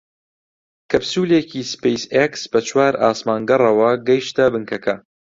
کەپسوولێکی سپەیس ئێکس بە چوار ئاسمانگەڕەوە گەیشتە بنکەکە